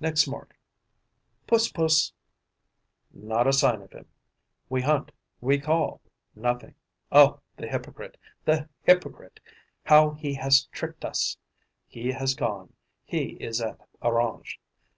Next morning: 'Puss! Puss!' Not a sign of him! We hunt, we call. Nothing. Oh, the hypocrite, the hypocrite! How he has tricked us! He has gone, he is at Orange.